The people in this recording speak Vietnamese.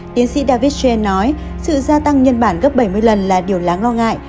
tiến sĩ david chen nói sự gia tăng nhân bản gấp bảy mươi lần là điều láng lo ngại